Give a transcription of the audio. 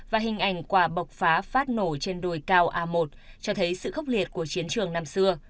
và hình ảnh quả bộc phá phát nổ trên đồi cao a một cho thấy sự khốc liệt của chiến trường năm xưa